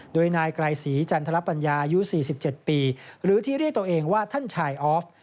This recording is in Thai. โดยนายไกรศรีจันทรปัญญาอายุ๔๗ปีหรือที่เรียกตัวเองว่าท่านชายออฟ